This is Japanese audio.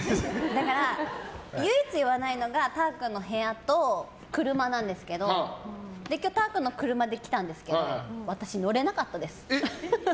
唯一言わないのがたぁ君の部屋と車なんですけど今日、たぁ君の車で来たんですけど私、乗れなかったです。